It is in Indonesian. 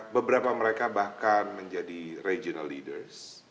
beberapa mereka bahkan menjadi regional leaders